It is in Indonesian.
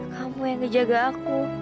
kamu yang ngejaga aku